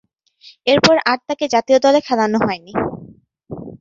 এরপর, আর তাকে জাতীয় দলে খেলানো হয়নি।